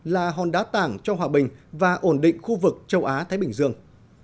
là hòn đá tảng cho hòa bình và ổn định khu vực châu á thái bình dương